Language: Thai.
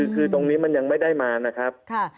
คือตรงนี้มันยังไม่ได้มานะครับ